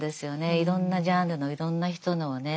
いろんなジャンルのいろんな人のをね。